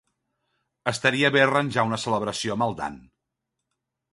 Estaria bé arranjar una celebració amb el Dan.